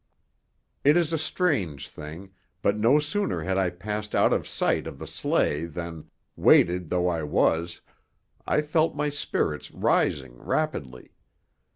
It is a strange thing, but no sooner had I passed out of sight of the sleigh than, weighted though I was, I felt my spirits rising rapidly.